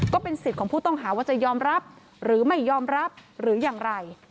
ก็เป็นสิทธิ์ของผู้ต้องหาว่าจะยอมรับหรือไม่ยอมรับหรืออย่างไร